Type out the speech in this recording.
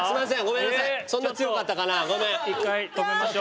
一回止めましょう！